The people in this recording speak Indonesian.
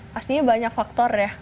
pastinya banyak faktor ya